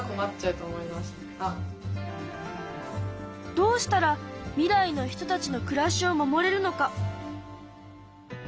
どうしたら未来の人たちの暮らしを守れるのか？